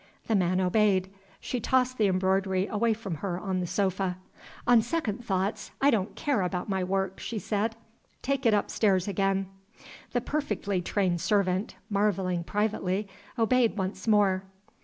The man obeyed. She tossed the embroidery away from her on the sofa. "On second thoughts, I don't care about my work," she said. "Take it upstairs again." The perfectly trained servant, marveling privately, obeyed once more.